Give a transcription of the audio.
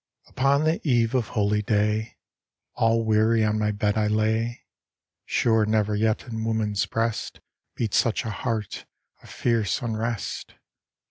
I. Upon the eve of holy day All weary on my bed I lay, (Sure never yet in woman's breast, Beat such a heart of fierce unrest